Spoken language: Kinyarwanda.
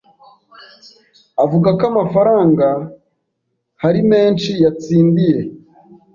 avuga ko amafaranga hari menshi yatsindiye